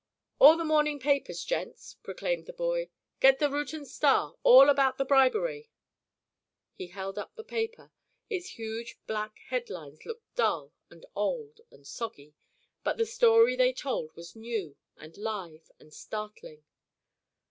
"All the morning papers, gents," proclaimed the boy. "Get the Reuton Star. All about the bribery." He held up the paper. It's huge black head lines looked dull and old and soggy. But the story they told was new and live and startling.